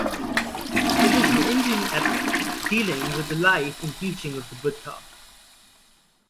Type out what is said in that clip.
It is an Indian epic, dealing with the life and teaching of the Buddha.